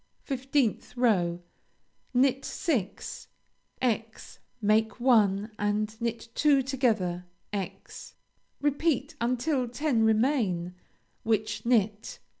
15th row Knit six; × make one and knit two together × repeat until ten remain, which knit.